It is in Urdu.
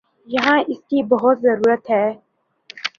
یہاں اس کی بہت ضرورت ہے۔